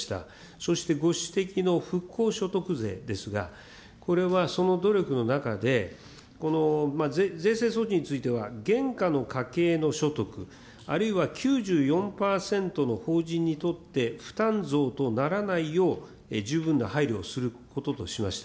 そしてご指摘の復興所得税ですが、これはその努力の中で、税制措置については、現下の家計の所得、あるいは９４％の法人にとって負担増とならないよう、十分な配慮をすることとしました。